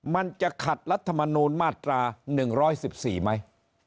มันจะขัดรัฐมนูลมาตรา๑๑๔ไหม